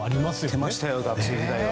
やってましたよ学生時代は。